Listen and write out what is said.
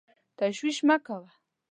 تشویش مه کوه !